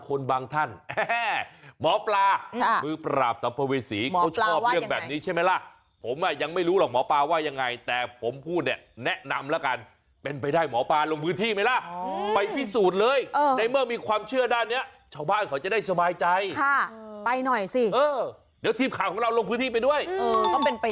ของโสโครกใช่ไหมเขาก็เลยมาเห็นแถวบริเวณที่กล่องขยะตรงนั้นน่ะ